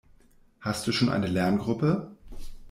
Hast du schon eine Lerngruppe?